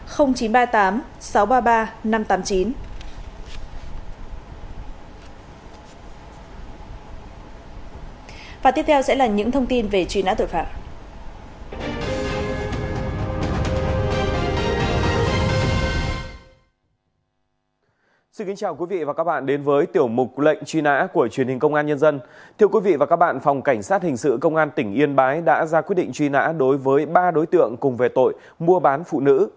cơ quan cảnh sát điều tra công an tỉnh vĩnh long đã ra quyết định truy nã đối với ba đối tượng cùng về tội mua bán phụ nữ